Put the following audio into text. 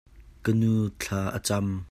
Kanu thla a cam.